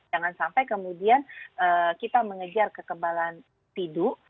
jangan sampai kemudian kita mengejar kekebalan tidur